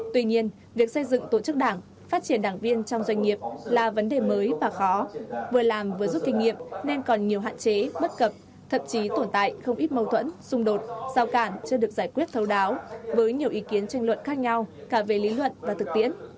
tuy nhiên việc xây dựng tổ chức đảng phát triển đảng viên trong doanh nghiệp là vấn đề mới và khó vừa làm vừa giúp kinh nghiệm nên còn nhiều hạn chế bất cập thậm chí tồn tại không ít mâu thuẫn xung đột giao cản chưa được giải quyết thấu đáo với nhiều ý kiến tranh luận khác nhau cả về lý luận và thực tiễn